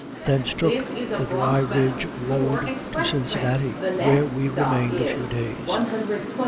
Thence took the Dry Ridge road to Cincinnati, where we remained a few days.